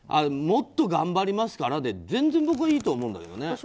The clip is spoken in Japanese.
もっと頑張りますからで全然僕はいいと思うんだけどね。